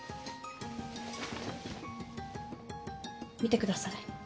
見てください。